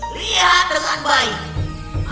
lihat dengan baik